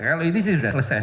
kalau ini sudah selesai